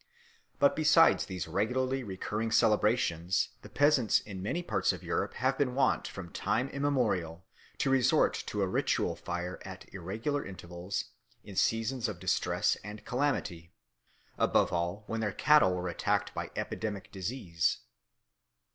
But besides these regularly recurring celebrations the peasants in many parts of Europe have been wont from time immemorial to resort to a ritual of fire at irregular intervals in seasons of distress and calamity, above all when their cattle were attacked by epidemic disease.